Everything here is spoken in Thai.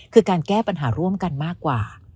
คือการแก้ปัญหาร่วมกันมากกว่า